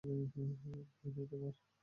ভয় নেই তোমার।